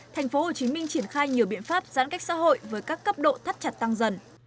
thành phố hồ chí minh triển khai nhiều biện pháp giãn cách xã hội với các cấp độ thắt chặt tăng dần